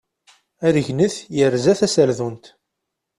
Aregnet yerza taserdunt.